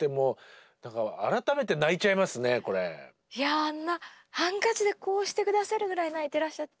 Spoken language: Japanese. あんなハンカチでこうして下さるぐらい泣いてらっしゃった。